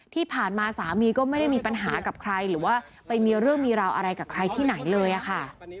ที่ผ่านมาสามีก็ไม่ได้มีปัญหากับใครหรือว่าไปมีเรื่องมีราวอะไรกับใครที่ไหนเลยอะค่ะ